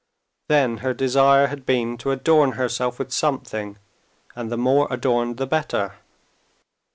Then her desire had been to adorn herself with something, and the more adorned the better.